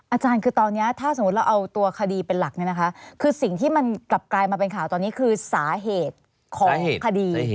อาจารย์คือตอนนี้ถ้าสมมุติเราเอาตัวคดีเป็นหลักเนี่ยนะคะคือสิ่งที่มันกลับกลายมาเป็นข่าวตอนนี้คือสาเหตุของคดี